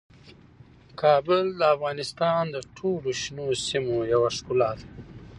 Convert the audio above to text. کابل د افغانستان د ټولو شنو سیمو یوه ښکلا ده.